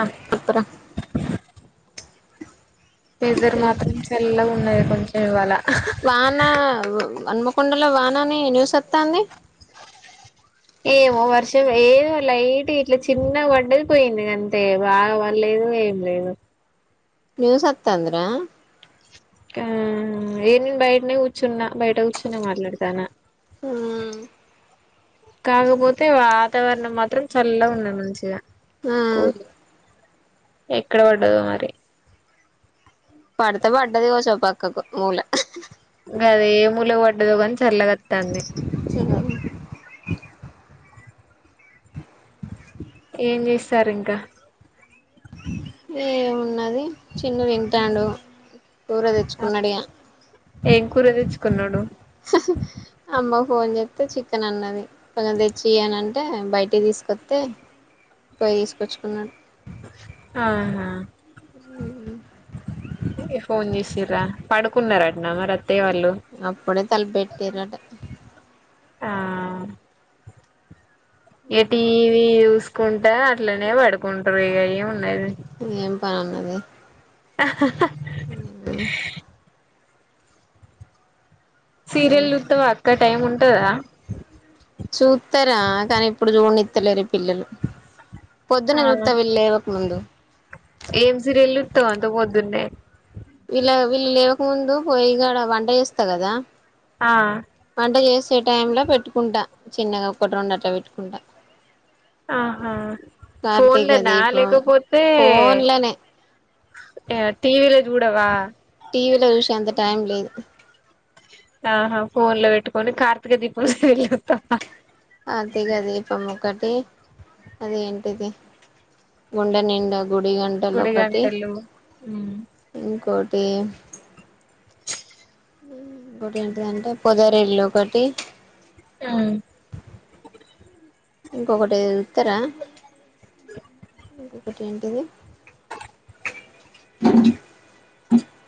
అక్క పోరా వెధర్ మాత్రం సల్లగున్నది కొంచెం ఇవాళ వాన హన్మకొండలో వానని న్యూస్ వత్తంది. ఏమో వర్షం ఏదో లైట్ గ ఇట్ల చిన్న పడ్డది పోయింది గంతే బాగా పడలేదు ఏ లేను న్యూస్ ఒత్తంది రా ఆ ఈడనేన్ బయటనే కూర్చున్నా బయట కూర్చునే మాట్లాడతానా ఊ కాకపోతే వాతావరణం మాత్రం చల్లగ ఉన్నది మంచిగా ఆ కూల్ ఎక్కడ పడ్డదో మరి పడుతె పడ్డది కావచ్చు వో పక్కకు మూల గదే ఏ మూలకు పడ్డదో గాని చల్లగత్తంది [unintelligible] [inaudible] ఏం జేస్తారు ఇంకా ఏమున్నది చిన్ను తింటాండు కూర తెచ్చుకున్నాడిగా ఏం కూర తెచ్చుకున్నాడు అమ్మ ఫోన్ చెప్తే చికెన్ అన్నది కొంచెం తెచ్చియనన్ అంటే బయటకి తీసుకొస్తతే పోయి తీసుకొచ్చుకున్న ఆహా ఉ ఫోన్ చేసరా పడుకున్నారటనా మరి అత్తయ వాళ్ళు అప్పుడే తలపెట్టారట ఆ ఎ టీవ చూసుకుంట అట్లనే పడుకుంటారు ఇక ఏమి ఉన్నాది ఏం పనున్నది ఆ సీరియల్ గంతే చుత్తవ్ అక్క టైం ఉంటుందా చూస్తారా కానీ ఇప్పుడు చూడినిత్తలేరు పిల్లలు పొద్దున్న ఆ చూస్తా వీళ్ళు లేవక ముందు ఏం సీరియల్ చుత్తవ్ అంత పొద్దున్నీ వీళ్ళ వీళ్ళ లేవక ముందు పోయి కడ వంట చేస్తా కదా ఆ వంట చేసే టైం లో పెట్టుకుంటా చిన్నగా ఒకటి రెండు అట్టా పెట్టుకుంటా ఆహా కార్తీక ఫోన్లనా దీపం లేకపోతే ఫోన్లనే టీవీలో చూడవా టీవీలో చూసేంత టైం లేదు ఆహా ఫోన్ లో పెట్టుకని కార్తీక దీపం సీరియల్ చుత్తా కార్తీక దీపం ఒకటి అది ఏంటిది గుండె నిండా గుడి గంటలు గుడి ఒకటి గంటలు ఉమ్ ఇంకోటి ఇంకోటి ఏంటిదాంటే పొదర ఇళ్లు ఒకటి ఉ ఇంకొకటి ఉత్తరా ఇంకొకటి ఏంటిది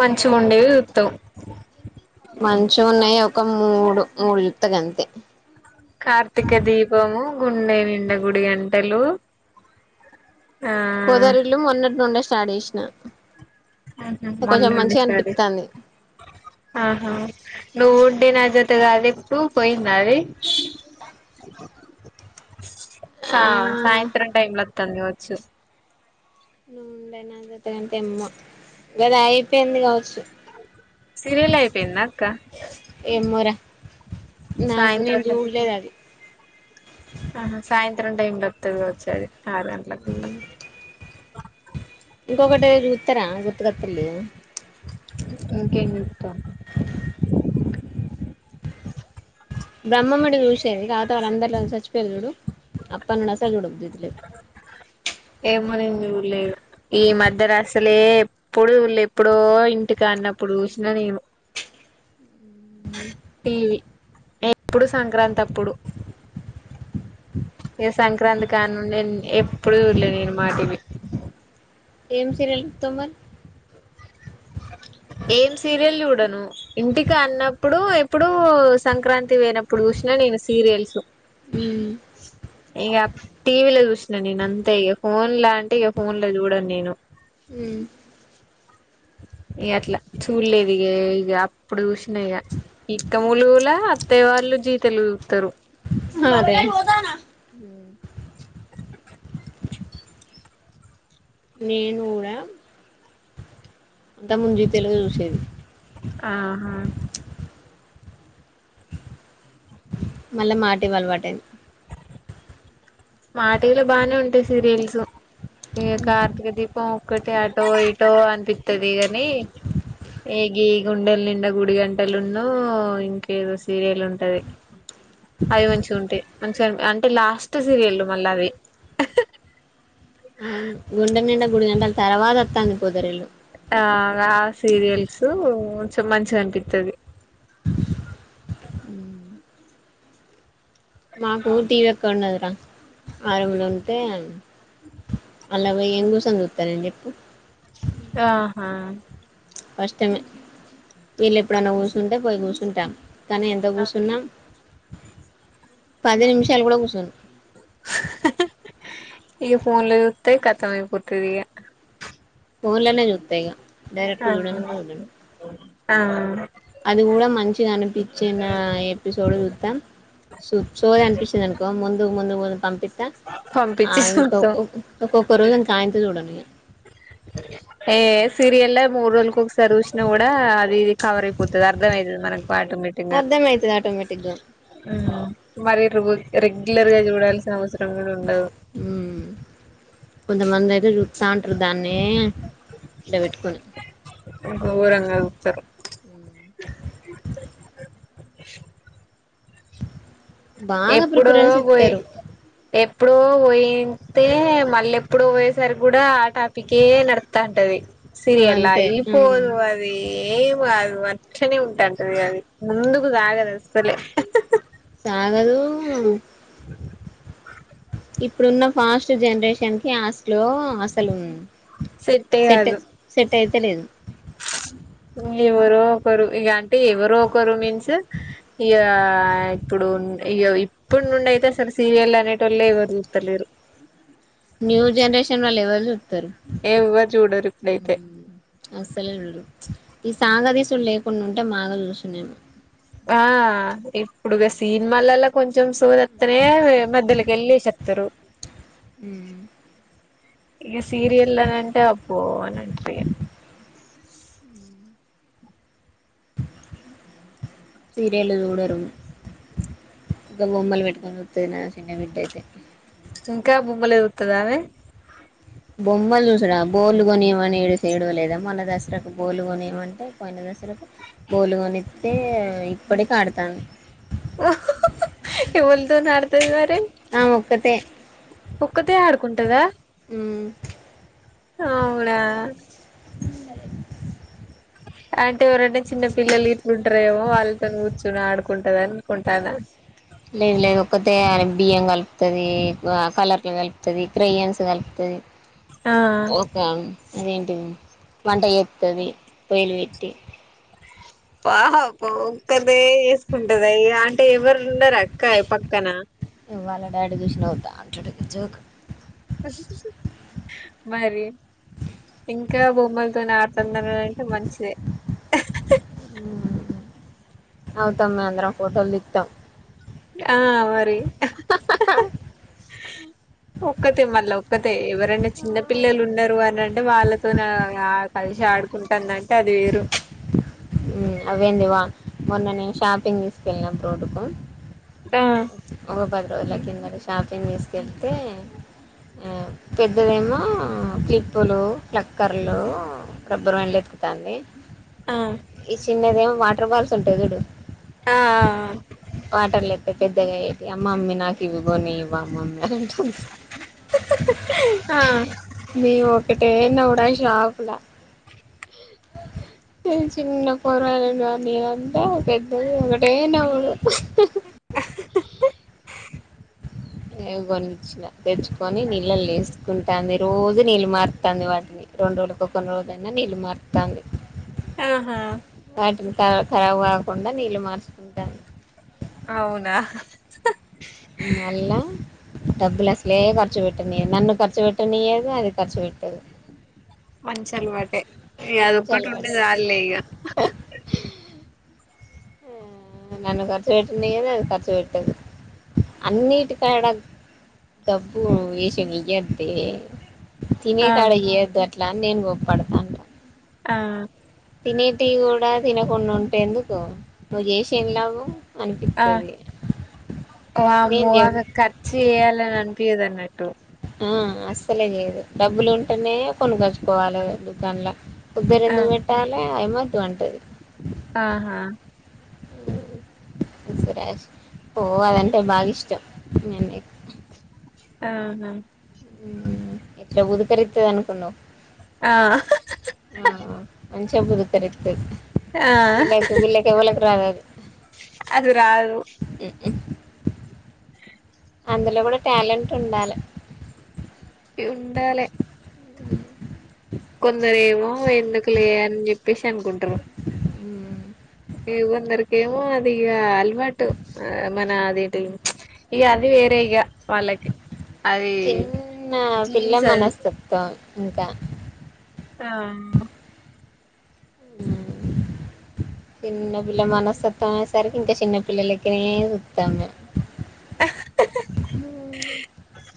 మంచి ఉండేవి ఉత్తం మంచిగా ఉన్నాయి ఒక మూడు మూడు జుత్త క అంతే కార్తీక దీపము గుండె నిండ గుడి గంటలు ఆ పొదరిల్లు మోన్నటినుండే స్టార్ట్ చేసిన కొంచెం మొన్నటి నుంచి మంచిగా స్టార్ట్ చేశాను అనిపిత్తాంది ఆహా నువ్వు ఉడ్డే నా జతగా అది ఇప్పుడు పోయిందా అది ా సాయంత్రం టైంలో వస్తుంది కావచ్చు ను ఉండే నాదిత కంటే అమ్మ కది అయిపోయింది కావచ్చు సిరియల్ అయిపోయింద అక్క ఏమూరా నాకు నేను సాయంత్రం టైం చూడలేదు అది ఆహా సాయంత్రం టైమ్ంలో వస్తది కావచ్చు అది ఆరు గంట ఇంకొకటి ఏదో చూస్తారా గుర్తుకొస్తలేదు ఇంకేం చూస్తావ్ బ్రహ్మముడి చూసేది తత వాళ్ళ అందరిలో చచ్చిపోయారు చూడు అప్ప నుండు అసలు చూడ బుద్ధి అయితలే ఏమో నేను చూడలేదు ఈ మధ్య రాసలే ఎప్పుడు వళ్ళు ఎప్పుడో ఇంటికి అన్నప్పుడు చూసినా నేను టీవ ఎప్పుడు సంక్రాంతి అప్పుడు ఏ సంక్రాంతి కాని నుండి ఎప్పుడుూ చూళ్లే నేను మాటివి ఏం సీరియల్ చూస్తావ్ మరి ఏం సీరియల్ చూడను ఇంటికి అన్నప్పుడు ఎప్పుడు సంక్రాంతి పోయినప్పుడు చూసినా నేను సీరియల్స్ ఉమ్ ఇక టీవీలో చూసినను నేను అంతే ఇక ఫోన్ లా అంటే ఇక ఫోన్ లో చూడను నేను హ ఇ అట్లా చూడలేదు ఇక ఇక అప్పుడు చూసినా ఇక ఇక్క ముూలుగులా అత్తయ్య వాళ్ళు జీ తెలుగు చుతారు అ అదే అ నేను కూడా అంతకుముందు ముజీ తెలుగు చూసేది ఆహా మళ్ళీ మా టీవీ అలవాటయింది మాటవిలో బాగానే ఉంటాయి సీరియల్స్ ఈ యొక్క కార్తక దీప్ ఒక్కటి ఆటో ఇటో అనిపిస్తుది గాని ఏగి గుండెల నిం గుడి గంటలున్న ఇంకేదో సీర ఉంటది అవి మంచి ఉంటాయి మంచిగా అంటే లాస్ట్ సీరియల్ మళ్ళా అది అవును గుండె నిం గుడి గంటల తర్వాత వస్తాంది పొదరిల్లు ఆ సీరియల్స్ మంచిగా అనిపిస్తది ఉ మాకు టీవీ ఎక్క ఉండదురా ఆరంగలు ఉంటే అలాగ ఏం కూసని చూతారని చెప్పు ఆహా కష్టమే వీళ్ళు ఎప్పుడన్నా కూసుంటే పోయి కూర్చుంటా కానీ ఎంత కూచున్నా పది నిమిషాలు కూడా కూచోను ఇక ఫోన్ లో చుత్తే కతామయిపోతది ఇగ ఫోన్లోనే చుత్త ఇగ డైరెక్ట్ ఆ చూడను కూడా చూడను ఆ అది కూడా మంచిగా అనిపించిన ఎపిసోడ్ చుత్తం సూ సోది అనిపిస్తుంది అనుకో ముందు ముందు ముందు పంపిస్తా ఆ పంపించి చూత్తం ఇంకొకు ఒక్కొక్క రోజు అని కాయంతి చూడను ఇగ ఏ సిరి ఎల్లె మూడు రోజులకు ఒకసారి చూస్ కూడా అది ఇది కవర్ అయిపోతది అర్థం అవుతుంది మనకు వాటుమిటుంగా అర్థమయితది ఆటోమేటిక్గా ఉ మరి ర రెగ్యులర్గా చూడాల్సిన అవసరం కూడా ఉండదు ఉ కొంతమంది అయితే చుట్స ఉంటారు దాన్నే ఇలా పెట్టుకుని ఊరంగలుపుతరు బాగా ఎప్పుడో ప్రిఫరెన్స్ పోయి ఇస్తారు ఎప్పుడో పోయింటే మళ్ళీ ఎప్పుడో పోయేసారి కూడా టాపికే నడుతంటది సిరి ఎల్ల అంతే ఈ ఉమ్ పోను అది అది ఏం అది మచ్చనే ఉంటాంటది అది ముందుకు సాగదు అసలే సాగదు ఇప్పుడున్న ఫాస్ట్ జనరేషన్ కి అస్లో అసలు సెట్టే సెట్ కాదు సెట్ అయితలేదు ఎవరో ఒకరు ఇగ అంటే ఎవరో ఒకరు మీన్స్ యా ఇప్పుడు ఉన్ ఇదో పు నుండి అయితే సార్ సీరియల్ అనేటోల్లే ఎవరు చూత్తలేరు న్యూ జనరేషన్ వాళ్ళు ఎవరు చుత్తరు ఎవ్వరు చూడరు ఇప్పుడైతే అస్సలేరు ఈ సాగ దీసులు లేకుండా ఉంటే మాగాలు చూసు నేను ఆ ఇప్పుడు సినిమాలలో కొంచెం సోది తనే మధ్యలోకి ఎల్లి చెత్తరు ఉ ఇగ సీరియల్నీ అంటే అబ్బో అని అంటిగా సీరియల్ చూడరు ఇంగ బొమ్మలు పెట్టుకొని చూతది నా చిన్న బిడ్డ అయితే ఇంకా బొమ్మలే చూత్తదా ఆమె బొమ్మలు చూసుడ బోలు కొనియమని ఏడు సేడు లేదా మన్న దసరాకు బోలు కొనిమంటే పోయిన బోలు కొనిత్తే ఇప్పటికీ ఆడతాంది ఎవలితోని ఆడతది మరి ఆమె ఒక్కతే ఒక్కతే ఆడుకుంటదా ఉ అవునా [unintelligible] అంటే ఎవరంటే చిన్న పిల్లలు ఇట్లుంటరేమో వాళ్ళతో కూర్చుని ఆడుకుంటది అనుకుంటాన్న లేదు లేదు ఒక్కతే బియ్యం కలుపుతది కలర్లు కలుపుతది క్రెయన్స్ కలుపుతది ఆ ఒక అదేంటి వంట చెత్తది పోయలు పెట్టి పాపో ఒక్కదే చేసుకుంటది అంటే ఎవరు ఉండరా అక్క పక్కన వాళ్ళ డాడీ చూసినవుద్దా అంటుడు జోక్ క మరి ఇంక బొమ్మలతోనే ఆడుతన్నారు అంటే మంచిదే అవుతాం మేము అందరం ఫోటోలు [unintelligible] ఆ మరి ఆ ఒక్కతే మళ్ళా ఒక్కతే ఎవరైనా చిన్న పిల్లలు ఉన్నారు అని అంటే వాళ్ళతోనే కలిసి ఆడుకుంట [unintelligible] అది వేరు అవేంది వా మొన్న నేను షాపింగ్ తీసుకెళ్ళినప్పు ఆ [unintelligible] ఒక పది రోజుల కిందట షాపింగ్ [unintelligible] పెద్దదేమో క్లిప్పులు ప్లక్లక్కర్లు రబ్బర్ బ్యాండ్లు ఎత్తుకుతాంది ఆ ఈ చిన్నదేమో వాటర్ బాల్స్ ఉంటాయి చూడు ఆ వాటర్ల ఏస్తే పెద్దగా అయితే మమ్మీ నాకు ఇది కొని [unintelligible] ఆ [unintelligible] ఒకటే [unintelligible] షాపులా చిన్న కూరలు కానీ అంట పెద్దది ఒకటే నవుడు [unintelligible] కొనిచ్చిన తెచ్చుకొని నీళ్ళలో వేసుకుంటాంది రోజు నీళ్ళు మారుతుంది వాటిని రెండు రోజులకు కొన్ని రోజుయిన నీళ్ళు మారుతంది ఆహా వాటిని [unintelligible] ఖరాబ్ కాకుండా నీళ్లు మార్చుకుంట అవున మల్ల డబ్బులు అసలే ఖర్చు పెట్టటినిదు నన్ను ఖర్చు పెట్టటినీయదు అది ఖర్చు పెట్టదు మంచి అలవాటే ఇగ అది మంచి ఒక్కటి ఉంటే అలవాటు చాల్లే ఇగ ఆ, నన్ను ఖర్చు పెట్టనియ్యదు అది ఖర్చు పెట్టది అన్నిటికడ డబ్బు వేష ఇయ్యదే తినే ఆ కాడ ఇయ్యొద్దు అట్లా అని నేను గప్పడతాను ఆ తినేటివి కూడ తినకుండా ఉంటే ఎందుకు నువ్వు చేసి [unintelligible] ఆ అనిపిస్తది నేను [unintelligible] [unintelligible] చేయ్యాలీ అని అనిపియ్యదు అన్నట్టు ఆ అస్సలే చేయదు డబ్బులు ఉంటేనే కొనుగచ్చుకోవాలి దుకాన్ల ఉద్దరు ఆ ఎందుకు పెట్టాలే [unintelligible] ఆహా సరాష్ పో పోవాలంటే బాగా ఇష్టం అన్నయ్యకి అవున ఉ ఎట్లా [unintelligible] అనుకున్నావ్ ఆ ఆ మంచిగా [unintelligible] ఆ విళ్లాకి విళ్లేక్ ఎవలకి [unintelligible] అది రాదు ఉ [unintelligible] అందులో కూడ టాలెంట్ ఉండాలే ఉండాలే కొందరు ఏమో ఎందుకులే అని చెప్పేసి అనుకుంటారు ఊ ఉ ఇగ కొందరికేమో అది ఇగ అలవాటు ఆ మన అది ఎటి ఇగ అది వేరే ఇగ వాళ్ళకి అది చిన్నా పిల్ల జీన్స్ అది మనస్తత్వం ఇంకా తా అమ్ము ఉమ్ చిన్న పిల్ల మనస్తత్వం అయె సరికి ఇంక చిన్న పిల్లలెక్కనే సూత్తాం మేం. హూ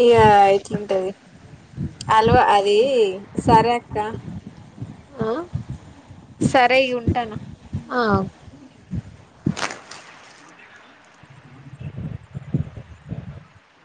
ఇగా ఇట్లుంటది. అలో అదీ సరే అక్క. ఆ సరే ఇగుంటన్న. ఆఅ